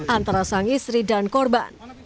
antara sang istri dan korban